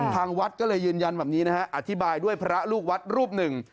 ทางวัดก็เลยยืนยันแบบนี้นะฮะอธิบายด้วยพระลูกวัดรูปหนึ่ง